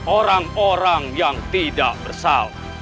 orang orang yang tidak bersalah